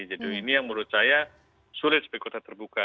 jadi ini yang menurut saya sulit sebagai kota terbuka